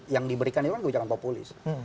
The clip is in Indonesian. yang diberikan itu kan kebijakan populis